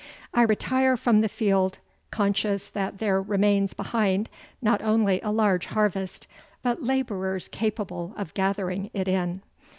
I retire from the field, conscious that there remains behind not only a large harvest, but labourers capable of gathering it in.